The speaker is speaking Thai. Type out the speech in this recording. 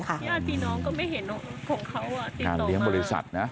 การเลี้ยงบริษัทนะ